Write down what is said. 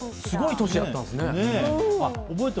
すごい年やったんですね。